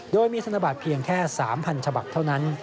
โดยมีธนบัตรเพียงแค่๓๐๐ฉบับเท่านั้น